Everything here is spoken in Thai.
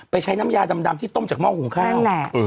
ไปใช้น้ำยาดำที่ต้มจากหม้องของข้าว